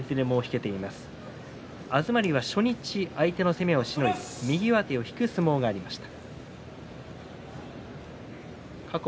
東龍は初日に相手の攻めをしのいで右上手を引く相撲がありました。